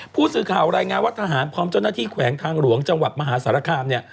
ผู้สื่อข่าวรายงานว่าทหารพร้อมเจ้าหน้าที่แขวงทางหลวงจังหวัดมหาสารคามเนี่ย